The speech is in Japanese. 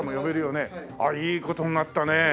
あっいい事になったね。